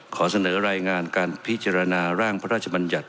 ขอเสนอรายงานการพิจารณาร่างพระราชบัญญัติ